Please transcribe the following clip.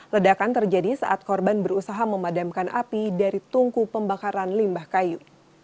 ledakan terjadi saat korban berusaha memadamkan api dari tungku pembakaran limbah kayu